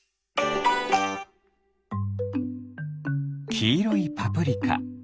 きいろいパプリカ。